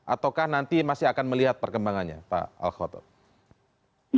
ataukah nanti masih akan melihat perkembangannya pak alkhotob